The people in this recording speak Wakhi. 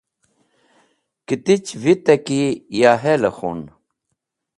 “Kitich” vite ki ya hel-e khun.